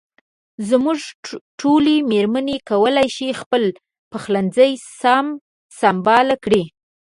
زموږ ټولې مېرمنې کولای شي خپل پخلنځي سم سنبال کړي.